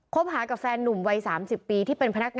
คบหากับแฟนนุ่มวัย๓๐ปี